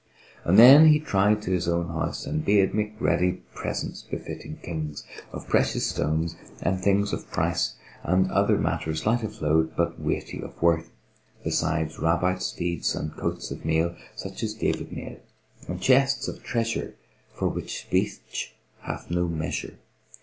Then he tried to his own house and bade make ready presents befitting Kings, of precious stones and things of price and other matters light of load but weighty of worth, besides Rabite steeds and coats of mail, such as David made[FN#462] and chests of treasure for which speech hath no measure.